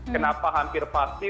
kenapa hampir pasti